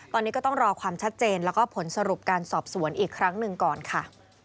ตอนนี้ก็ต้องรอความชัดเจนแล้วก็ผลสรุปการสอบสวนอีกครั้งหนึ่งก่อนค่ะ